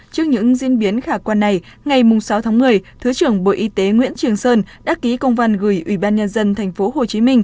trước những diễn biến khả quan này ngày sáu tháng một mươi thứ trưởng bộ y tế nguyễn trường sơn đã ký công văn gửi ubnd tp hcm